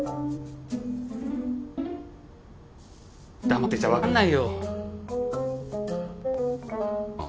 黙ってちゃわかんないよ。